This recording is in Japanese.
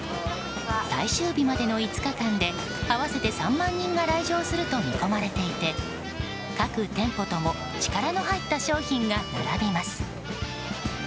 最終日までの５日間で合わせて３万人が来場すると見込まれていて各店舗とも力の入った商品が並びます。